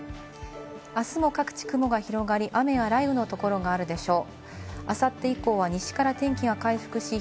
あすも各、地雲が広がり、雨や雷雨のところがあるでしょう。